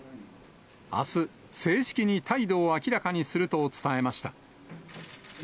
あす、正式に態度を明らかにすると伝えました。